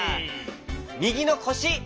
みぎのこし。